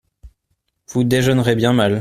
Vous déjeunerez bien mal.